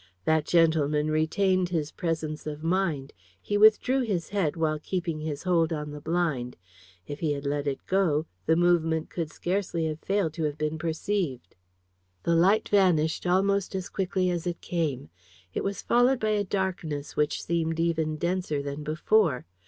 That gentleman retained his presence of mind. He withdrew his head, while keeping his hold on the blind; if he had let it go the movement could scarcely have failed to have been perceived. The light vanished almost as quickly as it came. It was followed by a darkness which seemed even denser than before.